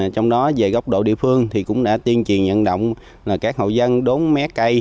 trong đó về góc độ địa phương thì cũng đã tiên truyền dẫn động các hậu dân đốn mé cây